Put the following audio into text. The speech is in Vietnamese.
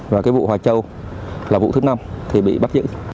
và cái vụ hoài châu là vụ thứ năm thì bị bắt giữ